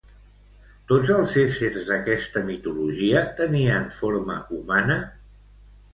Tots els éssers d'aquesta mitologia tenien forma humana?